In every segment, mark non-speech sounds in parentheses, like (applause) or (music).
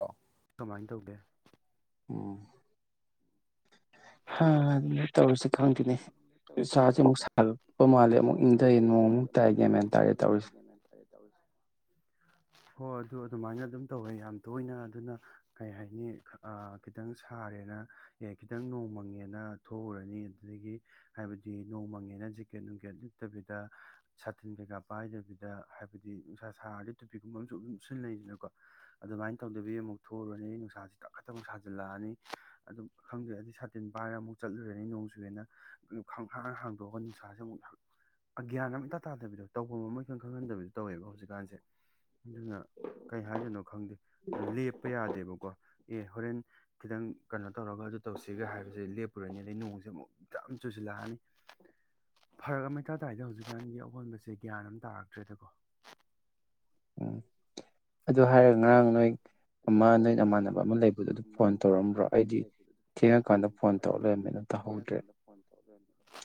ꯑ ꯀꯃꯥꯏꯅ ꯇꯧꯒꯦ ꯎꯝ ꯑꯗꯨ ꯇꯧꯔꯁꯤ ꯈꯪꯗꯦꯅꯦ ꯏꯁꯁꯤꯦ ꯑꯃꯨꯛ ꯁꯥꯠꯛꯄ ꯃꯥꯜꯂꯦ ꯅꯨꯡꯁꯥꯁꯦ ꯑꯃꯨꯛ ꯁꯥꯒꯠ ꯏꯪꯊꯩꯑꯦ ꯅꯣꯡꯃꯨꯛ ꯃꯥꯜꯂꯦ ꯑꯃꯨꯛ ꯇꯥꯏꯒꯦ ꯏꯪꯊꯩ ꯍꯥꯏ ꯅꯣꯡ ꯇꯥꯔꯦ ꯑꯃꯨꯛ ꯇꯥꯏ ꯇꯧꯔꯤꯁꯦ (unintelligible) ꯒ꯭ꯌꯥꯟ ꯃꯦꯟ ꯇꯥꯗꯦ ꯇꯧꯔꯤꯁꯦ ꯍꯣꯏ ꯑꯗꯨ ꯑꯗꯨꯃꯥꯏꯅ ꯑꯗꯨꯝ ꯇꯧꯋꯦ ꯌꯥꯝ ꯇꯣꯏꯅ ꯑꯗꯨꯅ ꯀꯩ ꯍꯥꯏꯅꯤ ꯈꯤꯇꯪ ꯁꯥꯒ ꯇꯔꯦꯅ ꯑꯦ ꯈꯤꯇꯪ ꯅꯣꯡꯃꯪꯉꯦꯅ ꯊꯣꯛꯎꯔꯅꯤ ꯑꯗꯨꯗꯒꯤ ꯍꯥꯏꯕꯗꯤ ꯅꯣꯡꯃꯪꯉꯦꯅ ꯖꯦꯀꯦꯠ ꯅꯨꯡꯀꯦꯠ ꯂꯤꯠꯇꯕꯤꯗ ꯁꯥꯇꯤꯟ ꯀꯩꯀꯥ ꯄꯥꯏꯗꯕꯤꯗ ꯗꯗ ꯍꯥꯏꯕꯗꯤ ꯅꯨꯡꯁꯥ ꯁꯥꯔꯗꯤ ꯇꯨꯄꯤꯒꯨꯝꯕ ꯑꯃꯁꯨ ꯑꯗꯨꯝ ꯁꯤꯖꯤꯟꯅꯩꯁꯤꯅꯀꯣ ꯑꯗꯨꯃꯥꯏꯅ ꯇꯧꯗꯕꯤ ꯑꯃꯨꯛ ꯊꯣꯛꯂꯎꯨꯔꯅꯤꯅ ꯅꯨꯡꯁꯥꯛ ꯁꯥꯖꯤꯜꯂꯛꯑꯅꯤ ꯑꯗꯨꯝ ꯈꯪꯗꯦ ꯍꯥꯏꯗꯤ ꯁꯥꯇꯤꯟ ꯄꯥꯏꯔ ꯑꯃꯨꯛ ꯆꯠꯂꯨꯔꯅꯤ ꯁꯨ ꯍꯦꯅ ꯈꯪꯍꯥꯡ ꯍꯥꯡꯗꯣꯛꯑꯒ ꯅꯨꯡꯁꯥꯁꯦ ꯑꯃꯨꯛ ꯑꯒ꯭ꯌꯥꯟ ꯑꯃ ꯏꯇꯥ ꯇꯥꯗꯕꯤꯗꯣ ꯇꯧꯐꯝ ꯑꯃ ꯏꯈꯪ ꯈꯪꯍꯟꯗꯕꯤꯗꯣ ꯇꯧꯋꯦꯕ ꯍꯧꯖꯤꯛꯀꯥꯟꯁꯦ ꯑꯗꯨꯅ ꯀꯩ ꯍꯥꯏꯗꯣꯏꯅꯣ ꯈꯪꯗꯦ ꯂꯦꯞꯄ ꯌꯥꯗꯦ ꯀꯣ ꯑꯦ ꯍꯣꯔꯦꯟ ꯈꯤꯇꯪ ꯀꯩꯅꯣ ꯇꯧꯔꯒ ꯑꯗꯨ ꯇꯧꯁꯤꯒ ꯍꯥꯏꯕꯁꯦ ꯂꯦꯞꯄꯨꯔꯅꯤ ꯑꯗꯩ ꯅꯣꯡꯁꯦ ꯑꯃꯨꯛ ꯌꯥꯝ ꯆꯨꯁꯤꯜꯂꯛꯑꯅꯤ ꯐꯔꯛ ꯑꯃꯇꯥ ꯇꯔꯗ ꯍꯧꯖꯤꯛꯀꯥꯟꯒꯤ ꯑꯑꯣꯟꯕꯁꯦ ꯒ꯭ꯌꯥꯟ ꯑꯃ ꯇꯥꯔꯛꯇ꯭ꯔꯦꯗꯀꯣ ꯎꯝ ꯑꯗꯨ ꯍꯥꯏꯔꯒ ꯉꯔꯥꯡ ꯅꯣꯏ ꯑꯗꯨ ꯑꯃ ꯍꯥꯏꯔꯒ ꯅꯣꯏꯅ ꯉꯔꯥꯡ ꯑꯃꯃꯥꯟꯅꯕ ꯅꯣꯏ ꯑꯃ ꯂꯩꯕꯗꯨꯣ ꯑꯗꯨ ꯑꯃ ꯐꯣꯟ ꯅꯣꯏ ꯇꯧꯔꯛꯑꯝꯕ꯭ꯔꯣ ꯅꯃꯥꯟꯅꯕ ꯑꯩꯗꯤ ꯊꯦꯡꯉꯀꯥꯟꯗ ꯐꯣꯟ ꯇꯧꯔꯛ ꯂꯩꯔ ꯀ ꯀꯥꯟꯗ ꯐꯣꯟ ꯇꯧ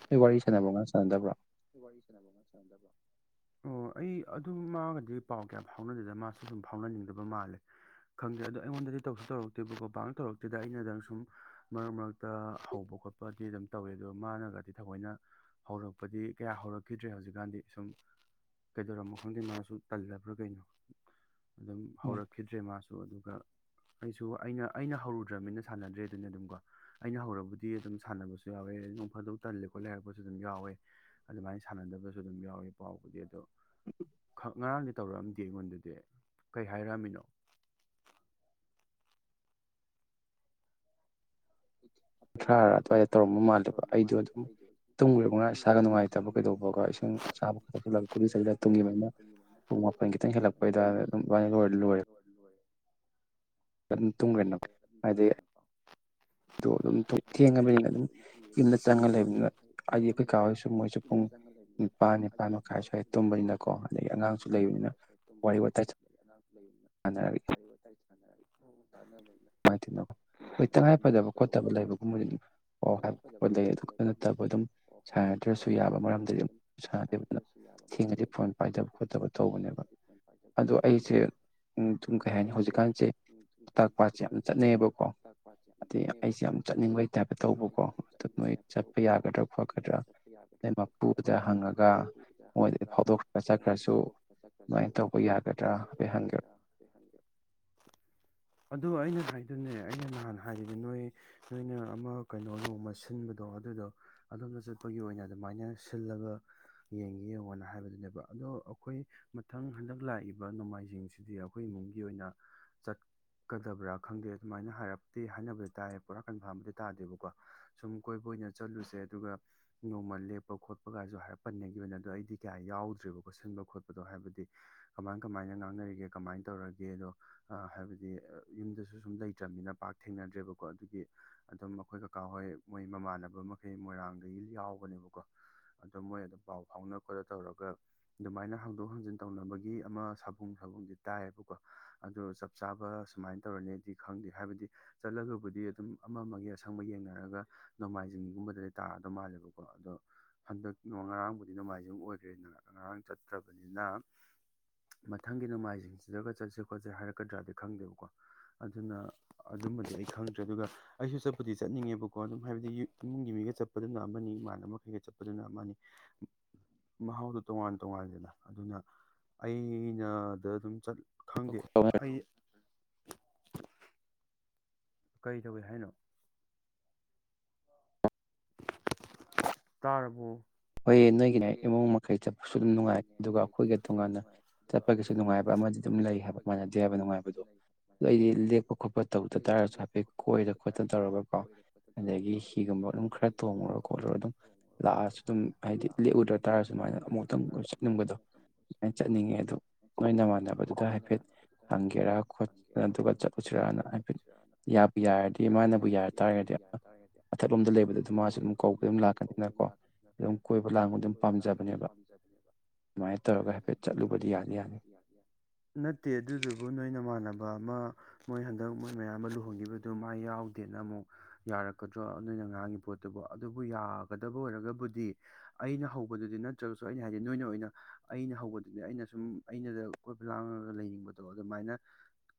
ꯑꯩ ꯋꯥꯔꯤ ꯁꯥꯟꯅꯕ ꯉꯥ ꯁꯥꯟꯅꯗꯕ꯭ꯔꯣ ꯋꯥꯔꯤ ꯋꯥꯔꯤꯁꯤꯟꯅꯕꯉ ꯆꯗꯕ ꯑꯣ ꯑꯩ ꯑꯗꯨ ꯃꯥꯒꯗꯤ ꯄꯥꯎ ꯀꯌꯥꯝ ꯐꯥꯎꯅꯗꯦꯗ ꯃꯥꯁꯨ ꯑꯗꯨꯨꯝ ꯐꯥꯎꯅꯅꯤꯡꯗꯕ ꯃꯥꯜꯂꯦ ꯑ ꯈꯪꯗꯦ ꯑꯗꯣ ꯑꯩꯉꯣꯟꯗꯗꯤ ꯇꯧꯁꯨ ꯇꯧꯔꯛꯇꯦꯕꯀꯣ ꯄꯥꯛ ꯇꯧꯔꯛꯇꯦꯗ ꯑꯩꯅꯗꯪ ꯁꯨꯝ ꯃꯔꯛ ꯃꯔꯛꯇ ꯍꯧꯕ ꯈꯣꯠꯄ ꯄꯗꯤ ꯑꯗꯨꯝ ꯇꯧꯏꯦ ꯑꯗꯨꯒ ꯃꯥꯅꯒꯗꯤ ꯊꯑꯣꯏꯅ ꯍꯧꯔꯛꯄꯗꯤ ꯀꯌꯥ ꯍꯧꯔꯛꯈꯤꯗ꯭ꯔꯦ ꯍꯧꯖꯤꯛꯀꯥꯟꯗꯤ ꯁꯨꯝ ꯀꯩꯗꯧꯔꯝꯃꯣ ꯈꯪꯗꯦ ꯃꯥꯁꯨ ꯇꯜꯂꯕ꯭ꯔꯥ ꯀꯩꯅꯣ ꯑꯗꯨꯝ ꯎꯝ ꯍꯧꯔꯛ ꯃꯥꯁꯨ ꯑꯗꯨꯒ ꯑꯩꯁꯨ ꯑꯩꯅ ꯑꯩꯅ ꯍꯧꯔꯨꯗ꯭ꯔꯅꯤꯅ ꯁꯥꯟꯅꯗ꯭ꯔꯦ ꯑꯗꯨꯅ ꯑꯗꯨꯝ ꯀꯣ ꯑꯩꯅ ꯍꯧꯔꯕꯨꯗꯤ ꯑꯗꯨꯝ ꯁꯥꯟꯅꯕꯁꯨ ꯌꯥꯎꯋꯦ ꯣꯡ ꯐꯥꯗ ꯇꯜꯂꯤ ꯈꯣꯠ ꯂꯩꯔꯛꯄꯁꯨ ꯑꯗꯨꯝ ꯌꯥꯎꯋꯦ ꯑꯗꯨꯃꯥꯏꯅ ꯁꯥꯟꯅꯗꯕꯁꯨ ꯑꯗꯨꯝ ꯌꯥꯎꯋꯦ ꯄꯥꯎꯕꯨꯗꯤ ꯑꯗꯣ ꯈ ꯉꯔꯥꯡꯗꯤ ꯇꯧꯔꯛꯑꯝꯗꯦ ꯑꯩꯉꯣꯟꯗꯗꯤ ꯀꯩ ꯍꯥꯏꯔꯛꯑꯃꯤꯅꯣ (unintelligible) ꯀꯨꯊ꯭ꯔꯥꯔꯥ ꯑꯗꯨꯋꯥꯏꯗ ꯇꯧꯔꯝꯕ ꯃꯥꯜꯂꯦꯕ ꯑꯩꯗꯣ ꯑꯗꯨꯝ ꯇꯨꯝꯈꯕꯅ ꯏꯁꯥꯒ ꯅꯨꯡꯉꯥꯏꯇꯕ ꯀꯩꯗꯧꯕꯒ ꯏꯁꯁꯤꯡ ꯆꯥꯕ ꯀꯗ ꯇꯨꯡꯒꯤꯕꯅ ꯄꯨꯡ ꯃꯥꯄꯟ ꯈꯤꯇꯪ ꯍꯦꯜꯂꯛꯄ ꯑꯗꯨ ꯑꯗꯨꯝꯃꯅ ꯂꯣꯏꯔ ꯂꯣꯏꯔꯦ ꯑ ꯑꯗꯨꯝ ꯇꯨꯝꯒꯅꯣ ꯍꯥꯏꯗꯤ ꯑꯗꯨ ꯑꯗꯨꯝ ꯊꯦꯡꯉꯕꯅꯤꯅ ꯑꯗꯨꯝ ꯌꯨꯝꯗ ꯆꯪꯉ ꯂꯩꯕꯅꯤꯅ ꯍꯥꯏꯗꯤ ꯑꯩꯈꯣꯏ ꯀꯥ ꯍꯣꯏꯁꯨ ꯃꯣꯏꯁꯨ ꯨꯡ ꯅꯤꯄꯥꯜ ꯅꯤꯄꯥꯥꯟ ꯃꯈꯥꯏ ꯁ꯭ꯋꯥꯏ ꯇꯨꯝꯕꯅꯤꯅꯀꯣ ꯑꯗꯗꯒꯤ ꯑꯉꯥꯡꯁꯨ ꯂꯩꯕꯅꯤꯅ ꯋꯥꯔꯤ ꯋꯥꯇꯥꯏ ꯂꯩꯅ ꯁꯥꯟꯅꯔꯒ ꯋꯥꯔꯤ ꯋꯥꯇꯥꯏ ꯁꯥꯟꯅꯔ ꯇꯥꯟꯅꯕꯒꯤ ꯇꯅꯣ ꯑꯩꯣꯏ ꯇꯉꯥꯏꯐꯗꯕꯣ ꯈꯣꯠꯇꯕ ꯂꯩꯕꯒꯨꯝꯕꯁꯨ ꯑꯗꯨꯝ ꯄꯥꯎ ꯍꯥꯏꯕ ꯈꯣꯠꯄ ꯂꯩ ꯑꯗꯨ ꯑꯗꯨ ꯅꯠꯇꯕ ꯑꯗꯨꯝ ꯁꯥꯟꯅꯗ꯭ꯔꯁꯨ ꯌꯥꯕ ꯃꯔꯝꯗꯤ ꯁꯥꯗꯦ ꯊꯦꯡꯉꯗꯤ ꯐꯣꯟ ꯄꯥꯏꯗꯕ ꯈꯣꯠꯇꯕ ꯇꯧꯕꯅꯦꯕ ꯑꯗꯣ ꯑꯩꯁꯦ ꯎ ꯁꯨꯝ ꯀꯩ ꯍꯥꯏꯅꯤ ꯍꯧꯖꯤꯛꯀꯥꯟꯁꯦ ꯂꯣꯛꯇꯥꯛ ꯄꯥꯠꯁꯦ ꯌꯥꯝ ꯆꯠꯅꯩꯌꯦꯕꯀꯣ ꯑꯗꯩ ꯑꯩꯁꯦ ꯌꯥꯝ ꯆꯠꯅꯤꯡꯕꯩ ꯇꯥꯏꯞꯇ ꯇꯧꯕꯀꯣ ꯑꯗꯨ ꯃꯣꯏ ꯆꯠꯄ ꯌꯥꯒꯗ꯭ꯔꯥ ꯈꯣꯠꯀꯗ꯭ꯔꯥ ꯃꯄꯨꯗ ꯍꯪꯉꯒ ꯃꯣꯏꯗ ꯐꯥꯎꯗꯣꯛꯈ꯭ꯔ ꯆꯠꯈ꯭ꯔꯁꯨ ꯑꯗꯨꯃꯥꯏꯅ ꯇꯧꯕ ꯌꯥꯒꯗ꯭ꯔꯥ ꯇꯧꯕ ꯍꯥꯏꯐꯦꯠ ꯍꯪꯒꯦ ꯌꯥꯒꯗ꯭ꯔꯥ ꯍꯥꯏ ꯍꯪꯕꯤꯌ (inaudible) ꯑꯗꯣ ꯑꯩꯅ ꯍꯥꯏꯗꯨꯅꯦ ꯑꯩꯅ ꯅꯍꯥꯟ ꯍꯥꯏꯕꯗꯤ ꯅꯣꯏ ꯅꯣꯏꯅ ꯑꯃ ꯀꯩꯅꯣ ꯅꯣꯡꯃ ꯁꯤꯟꯕꯗꯣ ꯑꯗꯨꯗꯣ ꯑꯗꯣꯝꯗ ꯆꯠꯄꯒꯤ ꯑꯣꯏꯅ ꯑꯗꯨꯝ ꯁꯨꯃꯥꯏꯅ ꯁꯤꯜꯂꯒ ꯌꯦꯡꯒꯦ ꯌꯦꯡꯅ ꯍꯥꯏꯕꯗꯨꯅꯦꯕ ꯑꯗꯣ ꯑꯩꯈꯣꯏ ꯃꯊꯪ ꯍꯟꯗꯛ ꯂꯥꯛꯏꯕ ꯅꯣꯡꯃꯥꯏꯖꯤꯡꯁꯤꯗꯤ ꯑꯩꯈꯣꯏ ꯑꯣꯏꯅ ꯆꯠꯀꯗꯕ꯭ꯔꯥ ꯈꯪꯗꯦ ꯑꯗꯨꯃꯥꯏꯅ ꯍꯥꯏ ꯍꯥꯏꯅꯕꯗꯤ ꯇꯥꯏ ꯄꯨꯔꯥ ꯀꯟꯐꯥꯔꯝꯗꯤ ꯇꯥꯗꯦꯕꯀꯣ ꯁꯨꯝ ꯀꯣꯏꯕ ꯑꯣꯏꯅ ꯆꯠꯂꯨꯁꯦ ꯑꯗꯨꯒ ꯈ ꯈꯣ ꯍꯥꯏꯗꯤ ꯀ ꯥꯡ ꯀꯃꯥꯏꯅ ꯉꯥꯡꯅꯔꯤꯒꯦ ꯀꯃꯥꯏꯅ ꯇꯧꯔꯒꯦ ꯑꯗꯣ ꯍꯥꯏꯕꯗꯤ ꯌꯨꯝꯗꯁꯨ ꯁꯨꯝ ꯂꯩꯇ꯭ꯔꯕꯅꯤꯅ ꯄꯥꯛ ꯊꯦꯡꯅꯗ꯭ꯔꯦꯕꯀꯣ ꯑꯗꯨꯒꯤ ꯑꯗꯨꯝ ꯑꯩꯈꯣꯏ ꯀꯀꯥ ꯍꯣꯏ ꯃꯣꯏ ꯃꯃꯥꯟꯅꯕ ꯃꯈꯩ ꯃꯣꯏꯔꯥꯡꯗꯒꯤ ꯌꯥꯎꯕꯅꯦꯕ ꯑꯣ ꯃꯣꯏ ꯑꯗꯨꯝ ꯄꯥꯎ ꯐꯥꯎꯅ ꯈꯣꯠꯅ ꯇꯧꯔꯒ ꯑꯗꯨꯃꯥꯏꯅ ꯍꯥꯡꯗꯣꯛ ꯍꯥꯡꯖꯤꯟ ꯇꯧꯅꯕꯒꯤ ꯑꯃ ꯁꯥꯕꯨꯡ ꯁꯥꯕꯨꯡꯗꯤ ꯇꯥꯏꯌꯦꯕꯀꯣ ꯑꯗꯨ ꯆꯞ ꯆꯥꯕ ꯁꯨꯃꯥꯏꯅ ꯇꯧꯔꯅꯤꯗꯤ ꯈꯪꯗꯦ ꯍꯥꯏꯕꯗꯤ ꯆꯠꯂꯒꯕꯨꯗꯤ ꯑꯗꯨꯝ ꯑꯃ ꯑꯃꯒꯤ ꯑꯁꯪꯕ ꯌꯦꯡꯅꯔꯒ ꯅꯣꯡꯃꯥꯏꯖꯤꯡꯒꯨꯝꯕꯗꯗꯤ ꯇꯥꯗꯧ ꯃꯥꯜꯂꯦꯕꯀꯣ ꯑꯗꯣ ꯍꯟꯗꯛ ꯉꯔꯥꯡꯕꯨꯗꯤ ꯅꯣꯡꯃꯥꯏꯖꯤꯡ ꯑꯣꯏꯈ꯭ꯔꯦ ꯉꯔꯥꯡ ꯆꯠꯇ꯭ꯔꯕꯅꯤꯅ ꯃꯊꯪꯒꯤ ꯅꯣꯡꯃꯥꯏꯖꯁꯤꯡꯁꯤꯗꯒ ꯆꯠꯁꯦ ꯈꯣꯠꯁꯦ ꯍꯥꯏꯔꯛꯀꯗ꯭ꯔꯥꯗꯤ ꯈꯪꯗꯦꯕꯀꯣ ꯑꯗꯨꯅ ꯑꯗꯨꯝꯕꯅꯤ ꯑꯩ ꯈꯪꯗ꯭ꯔꯦ ꯑꯗꯨꯒ ꯑꯩꯁꯨ ꯆꯠꯄꯨꯗꯤ ꯆꯠꯅꯤꯡꯉꯦꯕꯀꯣ ꯑꯗꯨꯝ ꯍꯥꯏꯕꯗꯤ ꯏꯃꯨꯡꯒꯤ ꯃꯤꯒ ꯆꯠꯄꯗꯨꯅ ꯑꯃꯅꯤ ꯏꯃꯥꯟꯅꯕꯈꯩ ꯆꯠꯄꯗꯨꯅ ꯑꯃꯅꯤ ꯃꯍꯥꯎꯗꯣ ꯇꯣꯉꯥꯟ ꯇꯣꯉꯥꯟꯗꯅ ꯑꯗꯨꯅ ꯑꯩꯅꯗ ꯑꯗꯨꯝ ꯆꯠ ꯈꯪꯗꯦ ꯑꯩ ꯀꯔꯤ ꯇꯧꯏ ꯍꯥꯏꯅꯣ ꯇꯥꯕꯨꯣ ꯍꯣꯏ ꯅꯣꯏꯒꯤꯅꯦ ꯏꯃꯨꯡ ꯃꯈꯩ ꯆꯠꯄꯁꯨ ꯑꯗꯨꯝ ꯅꯨꯡꯉꯥꯏ ꯑꯗꯨꯒ ꯑꯩꯈꯣꯏꯒꯤ ꯇꯣꯉꯥꯟꯅ ꯆꯠꯄꯒꯤꯁꯨ ꯅꯨꯡꯉꯥꯏꯕ ꯂꯩ ꯍꯥꯏ ꯃꯅꯗꯦ ꯍꯥꯏꯕ ꯅꯨꯡꯉꯥꯏꯕꯗꯣ ꯑꯗꯨ ꯑꯩꯗꯤ ꯂꯦꯛꯄ ꯈꯣꯠꯄ ꯇꯧꯗ ꯇꯥꯔꯁꯨ ꯍꯥꯏꯐ ꯈꯣꯠꯇ ꯇꯧꯔꯒ ꯀꯣ ꯑꯗꯨꯗꯒꯤ ꯍꯤꯒꯨꯝꯕ ꯑꯗꯨꯝ ꯈꯔ ꯇꯣꯡꯉꯨꯔ ꯈꯣꯠꯂꯨꯔ ꯑꯗꯨꯝ ꯂ ꯑꯗꯨꯝ ꯍꯥꯏꯗꯤ ꯂꯦꯛꯎꯗ꯭ꯔ ꯇꯥꯔꯁꯨ ꯁꯨꯃꯥꯏꯅ ꯑꯃꯨꯛꯇꯪ ꯆꯠꯅꯤꯡꯕꯗꯣ ꯑꯗꯨꯃꯥꯏꯅ ꯆꯠꯅꯤꯡꯉꯦ ꯑꯗꯣ ꯅꯣꯏꯅꯃꯥꯟꯅꯕꯗꯨꯗ ꯍꯥꯏꯐꯦꯠ ꯍꯪꯒꯦꯔꯥ ꯈꯣꯠ ꯑꯗꯨꯒ ꯆꯠꯂꯨꯁꯤꯔꯛꯅ ꯍꯥꯏꯐꯦꯠ ꯌꯥꯕꯨ ꯌꯥꯔꯗꯤ ꯌꯥꯕꯨ ꯃꯥꯅꯕꯨ ꯌꯥꯔ ꯌꯥꯔꯗꯤ ꯃꯥꯅꯕꯨ ꯌꯥ ꯇꯥꯔꯒꯗꯤ ꯇꯥꯔꯒꯗꯤꯊꯂꯣꯝꯗ ꯂꯩꯕꯗ ꯑꯗꯨ ꯃꯊꯛꯂꯣꯝꯗ ꯃꯥꯁꯨ ꯑꯗꯨꯝ ꯂꯩꯕꯗꯨꯗꯤ ꯀꯧꯕ ꯑꯗꯨꯝ ꯃꯥꯁꯨ ꯀꯧꯕ ꯂꯥꯛꯀꯅꯤꯅ ꯑꯗꯨꯝ ꯀꯣ ꯂꯥꯛꯀꯅꯤꯅꯀꯣ ꯑꯗꯨꯝ ꯀꯣꯏꯕ ꯂꯥꯡ ꯑꯗꯨꯝ ꯄꯥꯝꯖꯕꯅꯦꯕ ꯑꯗꯨꯃꯥꯏꯅ ꯇꯧꯔꯒ ꯍꯥꯏꯐꯦꯠ ꯆꯠꯂꯨꯕꯗꯤ ꯌꯥꯗꯤ ꯌꯥꯅꯤ ꯅꯠꯇꯦ ꯑꯗꯨꯗꯨꯕꯨ ꯅꯣꯏꯅ ꯃꯥꯟꯅꯕ ꯑꯃ ꯃꯣꯏ ꯍꯟꯗꯛ ꯃꯣꯏ ꯃꯌꯥꯝ ꯑꯃ ꯂꯨꯍꯣꯡꯈꯤꯕꯗꯨ ꯃ ꯌꯥꯎꯗꯦꯅ ꯑꯃꯨꯛ ꯌꯥꯔꯛꯀꯗ꯭ꯔꯣ ꯑꯗꯨ ꯑꯉꯥꯡꯒꯤ ꯄꯣꯠꯇꯨꯕꯨ ꯑꯗꯨꯕꯨ ꯌꯥꯒꯗꯕ ꯑꯣꯏꯔꯒꯕꯨꯗꯤ ꯑꯩꯅ ꯍꯧꯕꯗꯨꯗꯤ ꯅꯠꯇ꯭ꯔꯒꯁꯨ ꯑꯩꯅ ꯍꯥꯏꯗꯤ ꯅꯣꯏꯅ ꯑꯣꯏ ꯑꯩꯈꯣꯏꯅ ꯑꯩꯅ ꯍꯧꯕꯗꯨꯅꯦ ꯑꯩꯅ ꯁꯨꯝ ꯑꯩꯅꯗ ꯀꯣꯏꯄ ꯂꯥꯡꯉꯒ ꯂꯩꯅꯤꯡꯕꯗꯣ ꯑꯗꯨꯃꯥꯏꯅ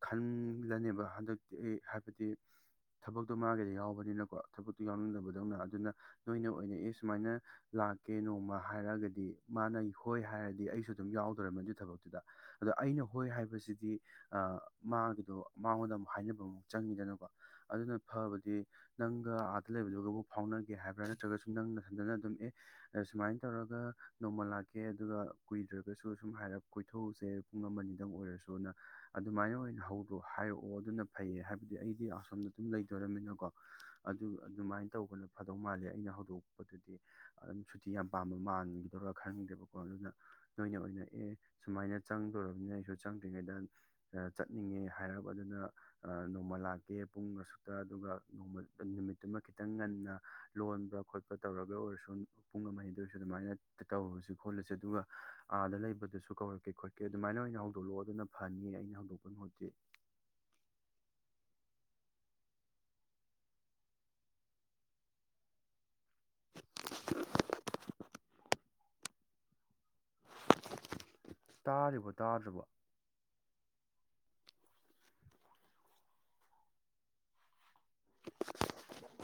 ꯈꯟꯂꯅꯦꯕ ꯍꯟꯗꯛꯇꯤ ꯑꯩ ꯍꯥꯏꯕꯗꯤ ꯊꯕꯛꯇꯣ ꯃꯥꯒꯤꯗꯤ ꯌꯥꯎꯕꯅꯤꯅꯀꯣꯕ ꯌꯥꯎꯅꯤꯡꯗꯕꯗꯧꯅ ꯑꯗꯨꯅ ꯅꯣꯏꯅ ꯑꯣꯏꯅ ꯑꯦ ꯁꯨꯃꯥꯏꯅ ꯂꯥꯛꯀꯦ ꯅꯣꯡꯃ ꯍꯥꯏꯔꯒꯗꯤ ꯃꯥꯅ ꯅ ꯍꯣꯏ ꯍꯥꯏꯔꯗꯤ ꯑꯩꯁꯨ ꯑꯗꯨꯝ ꯌꯥꯎꯗꯔꯅꯤ ꯑꯗꯨ ꯊꯕꯛꯇꯨꯗ ꯑꯗꯣ ꯑꯩꯅ ꯍꯣꯏ ꯍꯥꯏꯕꯁꯤꯗꯤ ꯃꯥꯒꯤꯗꯣ ꯃꯉꯣꯟꯗ ꯑꯃꯨꯛ ꯍꯥꯏꯅꯕ ꯑꯃꯛ ꯆꯪꯉꯤꯗꯅꯀꯣ ꯑꯗꯨꯅ ꯐꯕꯗꯤ ꯅꯪꯒ ꯂꯩꯕꯗꯨꯒꯕꯨ ꯐꯥꯎꯅꯒꯦ ꯍꯥꯏꯕ꯭ꯔꯥ ꯅꯠꯇ꯭ꯔꯒꯁꯨ ꯅꯪꯅ ꯁꯟꯖꯅ ꯑꯗꯨꯝ ꯑꯦ ꯑꯗ ꯁꯨꯃꯥꯏꯅ ꯇꯧꯔꯒ ꯅꯣꯡꯃꯂꯥ ꯀꯦ ꯑꯗꯨꯒ ꯀꯨꯏꯗ꯭ꯔꯒꯁꯨ ꯁꯨꯝ ꯍꯥꯏꯔꯞ ꯀꯣꯏꯊꯣꯛꯎꯁꯦ ꯄꯨꯡ ꯑꯃꯅꯤꯗꯪ ꯑꯣꯏꯔꯁꯨꯅ ꯑꯗꯨꯃꯥꯏꯅ ꯑꯣꯏꯅ ꯑꯩꯈꯣꯏꯅ ꯍꯧꯔꯣ ꯍꯥꯏꯔꯛꯑꯣ ꯑꯗꯨꯅ ꯐꯩꯌꯦ ꯍꯥꯏꯕꯗꯤ ꯑꯩꯗꯤ ꯑꯁꯣꯝꯗ ꯑꯗꯨꯝ ꯂꯩꯗꯣꯔꯃꯤꯅꯀꯣ ꯑꯗꯨ ꯑꯗꯨꯃꯥꯏꯅ ꯇꯧꯕꯅ ꯐꯥꯗꯧ ꯃꯥꯂꯦ ꯑꯩꯅ ꯍꯧꯗꯣꯛꯄꯗꯨꯗꯤ ꯑꯗꯨꯝ ꯁꯨꯇꯤ ꯌꯥꯝ ꯄꯥꯝꯕ ꯃꯥꯟꯈꯤꯗꯧꯔꯥ ꯈꯔ ꯣ ꯑꯗꯨꯅ ꯅꯣꯏꯅ ꯑꯣꯏꯅ ꯑꯦ ꯁꯨꯃꯥꯏꯅ ꯆꯪꯗꯅꯤꯅ ꯑꯩꯁꯨ ꯆꯪꯗ꯭ꯔꯤꯉꯩꯗ ꯆꯠꯅꯤꯡꯉꯦ ꯍꯥꯏꯔꯕ ꯑꯗꯨꯅ ꯅꯣꯡꯃ ꯂꯥꯛꯀꯦ ꯄꯨꯡ ꯑꯁꯨꯛꯇ ꯑꯗꯨꯒ ꯅꯣꯡꯃ ꯅꯨ ꯑꯗꯨꯃ ꯈꯤꯇꯪ ꯉꯟꯅ ꯂꯣꯟꯕ ꯈꯣꯠꯄ ꯇꯧꯔꯒ ꯑꯣꯏꯔꯁꯨ ꯄꯨꯡ ꯑꯃꯗꯔꯁꯨ ꯑꯗꯨꯃꯥꯏꯅ ꯇꯧ ꯁꯤ ꯈꯣꯠꯂꯁꯦ ꯑꯗꯨꯒ ꯑꯥꯗ ꯂꯩꯕꯗꯨꯁꯨ ꯀꯧꯔꯛꯀꯦ ꯈꯣꯠꯀꯦ ꯑꯗꯨꯃꯥꯏꯅ ꯑꯣꯏꯅ ꯍꯧꯗꯣꯛꯛꯑꯣ ꯑꯗꯨꯅ ꯐꯅꯤ ꯑꯩꯅ ꯍꯧꯗꯣꯛ (unintelligible) (inaudible) ꯇꯥꯔꯤꯕꯣ ꯇꯥꯗ꯭ꯔꯕ (unintelligible)